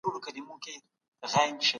حق ته تسليمېدل د لوی همت کار دی.